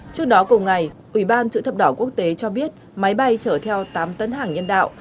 trước đó cùng ngày ủy ban chữ thập đỏ quốc tế cho biết máy bay chở theo tám tấn hàng nhân đạo